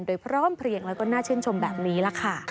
โดยพร้อมเพลียงแล้วก็น่าชื่นชมแบบนี้ล่ะค่ะ